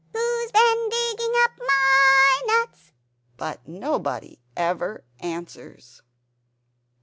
Who's been dig ging up MY nuts?" But nobody ever answers!